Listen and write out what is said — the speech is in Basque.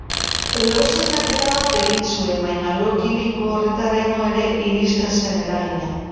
Lo-sendaketa bat egin nuen, baina lo kimiko horretaraino ere iristen zen eragina.